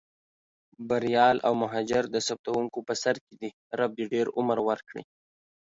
بریال او مهاجر د ثبتوونکو په سر کې دي، رب دې ډېر عمر ورکړي.